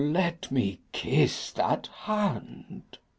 O, let me kiss that hand!